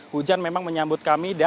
hujan memang menyambut kami